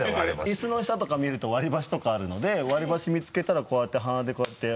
椅子の下とか見ると割り箸とかあるので割り箸見つけたらこうやって鼻でこうやって。